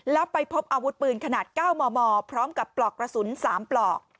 แล้วไปพบอาวุธปืนขนาด๙มมพร้อมกับปลอกกระสุน๓ปลอก